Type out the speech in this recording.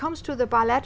về sự khác biệt